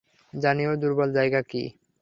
জানি ওর দুর্বল জায়গা কী।